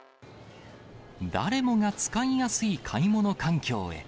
誰もが使いやすい買い物環境へ。